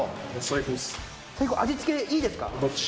最高味付けいいですか？